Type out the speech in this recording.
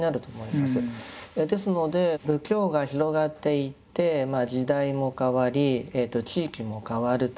ですので仏教が広がっていって時代も変わり地域も変わると。